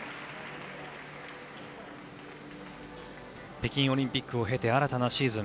北京オリンピックを経て新たなシーズン。